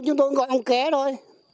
chúng tôi gọi ông ké thôi